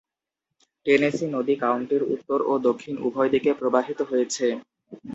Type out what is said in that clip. Tennessee নদী কাউন্টির উত্তর ও দক্ষিণ উভয় দিকে প্রবাহিত হয়েছে।